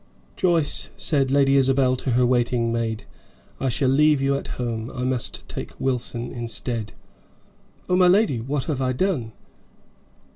"Joyce," said Lady Isabel to her waiting maid, "I shall leave you at home; I must take Wilson instead." "Oh, my lady! What have I done?"